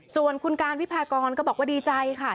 ส่วนคุณการวิพากรก็บอกว่าดีใจค่ะ